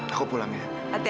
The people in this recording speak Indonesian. aku pula yakin